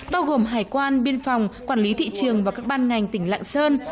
bao gồm hải quan biên phòng quản lý thị trường và các ban ngành tỉnh lạng sơn